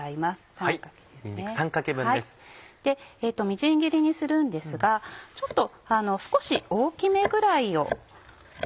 みじん切りにするんですが少し大きめぐらいを。